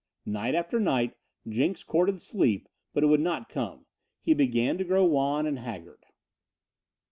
Night after night Jenks courted sleep, but it would not come. He began to grow wan and haggard.